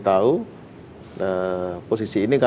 bagaimana dengan posisi pak soni